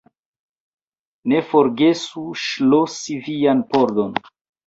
Ne forgesu ŝlosi vian pordon.